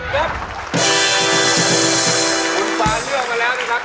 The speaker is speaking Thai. ครูฟ้าเลื่อมมาแล้วนะครับ